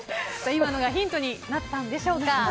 今のがヒントになったんでしょうか。